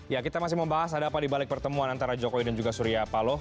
ya kita masih membahas ada apa dibalik pertemuan antara jokowi dan juga surya paloh